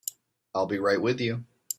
I'll be right with you.